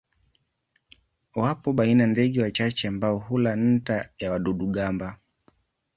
Wapo baina ndege wachache ambao hula nta ya wadudu-gamba.